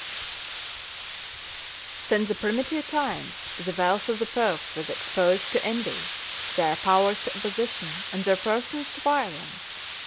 ] Since the primitive times, the wealth of the popes was exposed to envy, their powers to opposition, and their persons to violence.